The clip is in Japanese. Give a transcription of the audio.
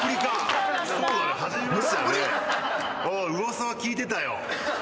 噂は聞いてたよ。